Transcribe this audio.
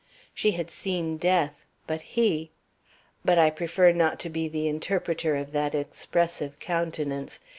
She had seen death, but he But I prefer not to be the interpreter of that expressive countenance.